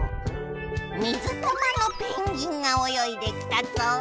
水玉のペンギンがおよいできたぞ。